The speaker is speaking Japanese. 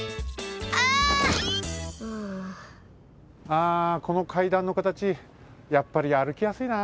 ああこの階段の形やっぱりあるきやすいな。